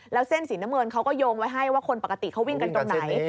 แล้วเส้นสีน้ำเงินเขาก็โยงไว้ให้ว่าคนปกติเขาวิ่งกันตรงไหน